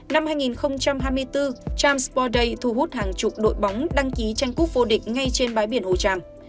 năm hai nghìn hai mươi bốn tram sport day thu hút hàng chục đội bóng đăng ký tranh quốc vô địch ngay trên bãi biển hồ tràm